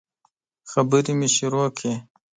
خبري مي شروع کړې !